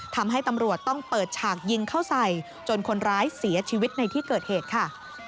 ทำให้ตำรวจต้องเปิดฉากยิงเข้าใส่จนคนร้ายเสียชีวิตในที่เกิดเหตุค่ะ